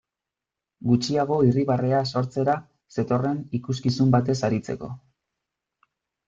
Gutxiago irribarrea sortzera zetorren ikuskizun batez aritzeko.